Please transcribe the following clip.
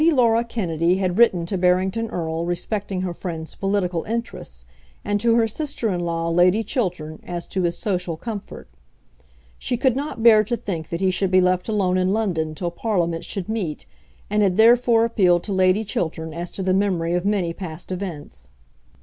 Lady Laura Kennedy had written to Barrington Erle respecting her friend's political interests, and to her sister in law, Lady Chiltern, as to his social comfort. She could not bear to think that he should be left alone in London till Parliament should meet, and had therefore appealed to Lady Chiltern as to the memory of many past events.